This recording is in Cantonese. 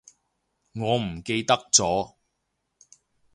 我唔記得咗